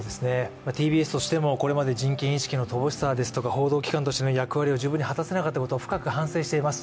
ＴＢＳとしても、これまで人権意識の乏しさですとか、報道機関としての役割を十分に果たせなかったことを深く反省しています。